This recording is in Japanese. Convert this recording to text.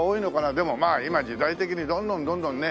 でも今時代的にどんどんどんどんね